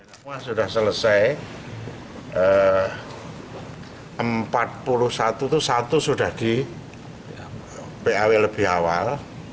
semua sudah selesai empat puluh satu itu satu sudah di paw lebih awal